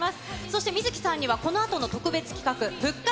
そして観月さんにはこのあとの特別企画、復活！